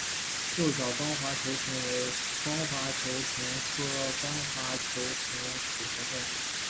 六角光滑球虫为光滑球虫科光滑球虫属的动物。